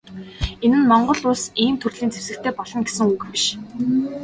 Энэ нь Монгол Улс ийм төрлийн зэвсэгтэй болно гэсэн үг биш.